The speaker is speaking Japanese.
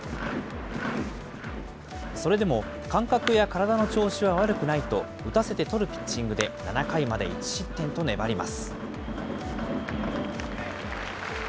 それでも感覚や体の調子は悪くないと、打たせて取るピッチングで７回まで１失点と粘ります。